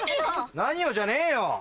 何よじゃねえよ！